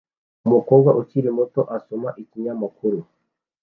Umukobwa ukiri muto asoma ikinyamakuru